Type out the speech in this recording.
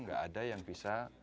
enggak ada yang bisa